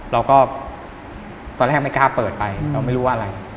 เราก็ตอนแรกไม่กล้าเปิดไปเราไม่รู้ว่าอะไร